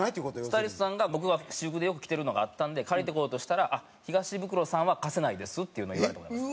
スタイリストさんが僕が私服でよく着てるのがあったんで借りてこようとしたら「東ブクロさんは貸せないです」っていうのを言われてます。